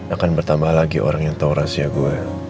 akan bertambah lagi orang yang tahu rahasia gue